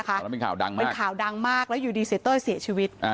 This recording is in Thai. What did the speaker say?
แล้วเป็นข่าวดังมากแล้วอยู่ดีเสียเต้ยเสียชีวิต